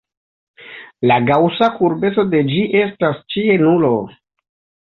La gaŭsa kurbeco de ĝi estas ĉie nulo.